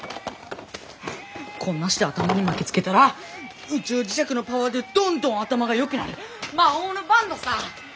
こんなして頭に巻きつけたら宇宙磁石のパワーでどんどん頭がよくなる魔法のバンドさぁ！